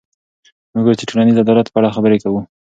موږ اوس د ټولنیز عدالت په اړه خبرې کوو.